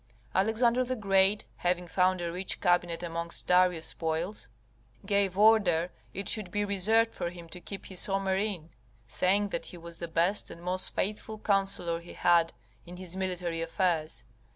Alexander the Great, having found a rich cabinet amongst Darius' spoils, gave order it should be reserved for him to keep his Homer in, saying: that he was the best and most faithful counsellor he had in his military affairs.